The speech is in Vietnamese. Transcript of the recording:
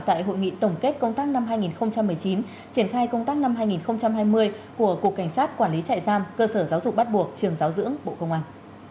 tại hội nghị tổng kết công tác năm hai nghìn một mươi chín triển khai công tác năm hai nghìn hai mươi của cục cảnh sát quản lý trại giam cơ sở giáo dục bắt buộc trường giáo dưỡng bộ công an